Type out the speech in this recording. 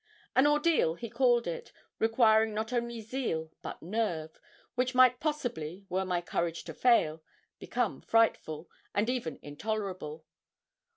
An 'ordeal' he called it, requiring not only zeal but nerve, which might possibly, were my courage to fail, become frightful, and even intolerable.